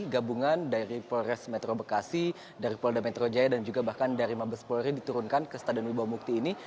gabungan dari polres metro bekasi dari polda metro jaya dan juga bahkan dari mabes polri diturunkan ke stadion wibawa mukti ini